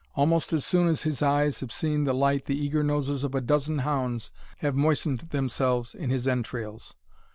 Almost as soon as his eyes have seen the light the eager noses of a dozen hounds have moistened themselves in his entrails.